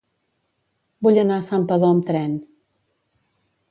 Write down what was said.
Vull anar a Santpedor amb tren.